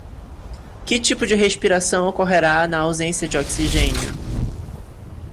Que tipo de respiração ocorrerá na ausência de oxigênio?